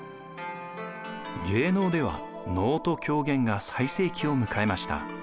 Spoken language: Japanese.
芸能では能と狂言が最盛期を迎えました。